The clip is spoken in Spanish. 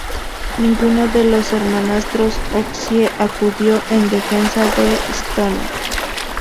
Ninguno de los hermanastros Hoxie acudió en defensa de Stone.